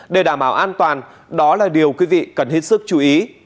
để đảm bảo an toàn đó là điều quý vị cần hết sức chú ý